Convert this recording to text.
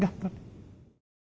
apakah pimpinan dpr yang lebih baik